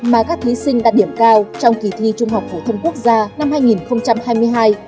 mà các thí sinh đạt điểm cao trong kỳ thi trung học phổ thông quốc gia năm hai nghìn hai mươi hai